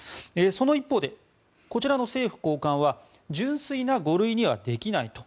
その一方で、こちらの政府高官は純粋な５類にはできないと。